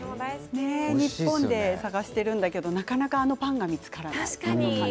日本で探しているんですがなかなか、あのパンが見つからないんです。